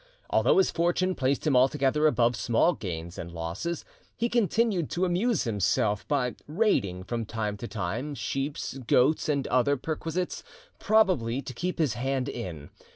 Although his fortune placed him altogether above small gains and losses, he continued to amuse himself by raiding from time to time sheep, goats, and other perquisites, probably to keep his hand in.